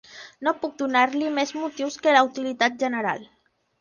No puc donar-li més motius que la utilitat general.